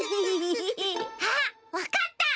あっわかった！